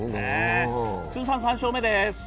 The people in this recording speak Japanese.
通算３勝目です。